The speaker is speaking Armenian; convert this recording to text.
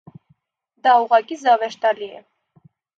Դա ուղղակի զավեշտալի է։